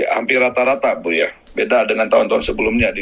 hampir rata rata bu ya beda dengan tahun tahun sebelumnya